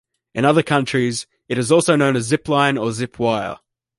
In other countries, it is also known as a zip-line or zip-wire.